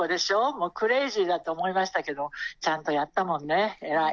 もうクレイジーだと思いましたけど、ちゃんとやったもんね、偉い。